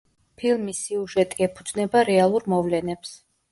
ფილმის სიუჟეტი ეფუძნება რეალურ მოვლენებს.